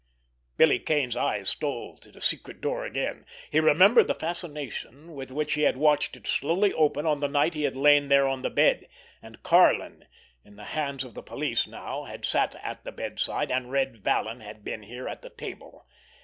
Billy Kane's eyes stole to the secret door again. He remembered the fascination with which he had watched it slowly open on the night he had lain there on the bed, and Karlin, in the hands of the police now, had sat at the bedside, and Red Vallon had been here at the table.